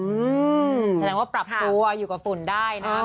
อืมแสดงว่าปรับตัวอยู่กับฝุ่นได้นะ